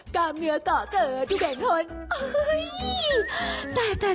กามเหนือก่อเจอทุกแห่งทน